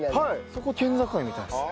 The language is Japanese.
そこ県境みたいですね。